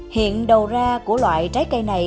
hiện đầu ra của loại trái cây này